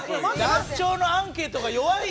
団長のアンケートが弱いよ！